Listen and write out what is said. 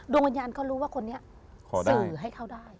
วิญญาณเขารู้ว่าคนนี้สื่อให้เขาได้